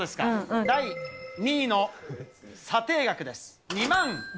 第２位の査定額です。